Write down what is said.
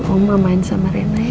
omah main sama rena ya